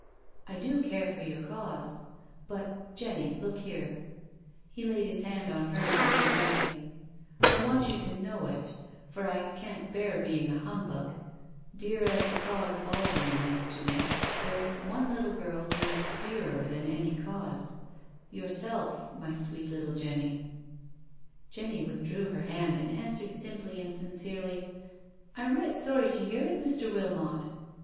" I do care for your Cause— but, Jenny, look here " —he laid his hand on hers very gently—" I want you to know it, for I can't bear being a humbug— dear as the cause of all women is to me, there is one little girl who is dearer than any cause — yourself, my sweet little Jenny." Jenny withdrew her hand and answered simply and sincerely, " I am right sorry to hear it, Mr. Wilmot."